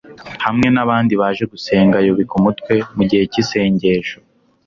Hamwe n'abandi baje gusenga, yubika umutwe mu gihe cy'isengesho